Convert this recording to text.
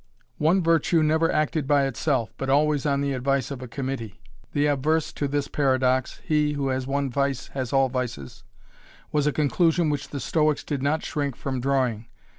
One virtue never acted by itself, but always on the advice of a committee. The obverse to this paradox He who has one vice has all vices was a conclusion which the Stoics did not shrink from drawing.